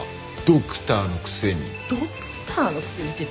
「ドクターのくせに」って。